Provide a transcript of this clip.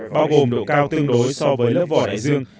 bao gồm độ cao tương đối so với lớp vỏ đại dương